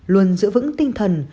luôn giữ vững tinh thần